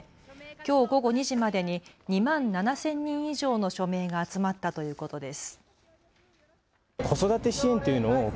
きょう午後２時までに２万７０００人以上の署名が集まったということです。